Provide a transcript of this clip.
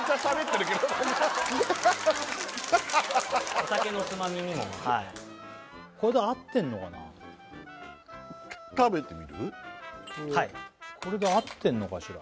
お酒のつまみにもこれで合ってんのかしら？